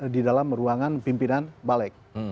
di dalam ruangan pimpinan balik